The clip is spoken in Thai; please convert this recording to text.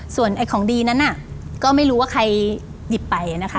ส่วนของดีนั้นก็ไม่รู้ว่าใครหยิบไปนะคะ